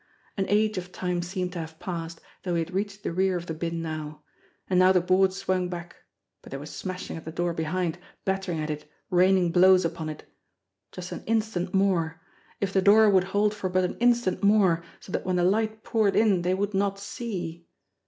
An age of time seemed to have passed, though he had reached the rear of the bin now. And now the boards swung back but they were smashing at the door behind, battering at it, raining blows upon it. Just an instant more if the door would hold for but an instant more, so that when the light poured in they would not see!